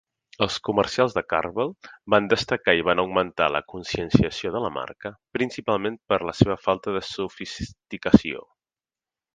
Els comercials de Carvel van destacar i van augmentar la conscienciació de la marca principalment per la seva falta de sofisticació.